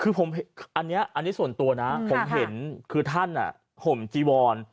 คือผมอันนี้ส่วนตัวนะผมเห็นคือท่านห่มจีวอน